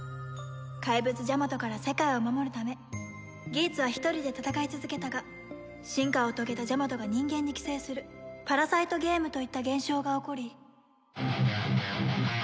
怪物ジャマトから世界を守るためギーツは一人で戦い続けたが進化を遂げたジャマトが人間に寄生する「パラサイトゲーム」といった現象が起こり